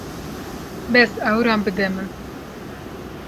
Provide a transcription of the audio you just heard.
Bes awiran bide min.